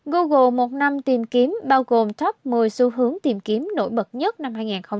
google một năm tìm kiếm bao gồm top một mươi xu hướng tìm kiếm nổi bật nhất năm hai nghìn hai mươi